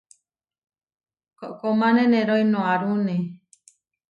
Koʼkómane neroínoarune.